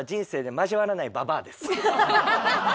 交わらないババア？